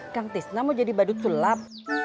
kang tisna mau jadi badut tulap